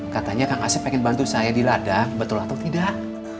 katanya kang asep pengen bantu saya di ladang betul atau tidak